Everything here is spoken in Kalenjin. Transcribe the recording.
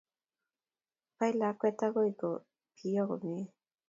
Bai lakwet agoi ko piony komie